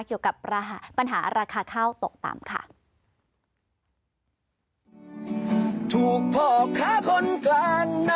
เกี่ยวกับปัญหาราคาข้าวตกต่ำค่ะ